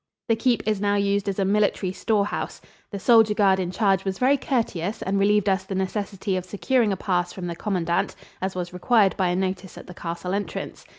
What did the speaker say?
The keep is now used as a military storehouse. The soldier guard in charge was very courteous and relieved us the necessity of securing a pass from the commandant, as was required by a notice at the castle entrance.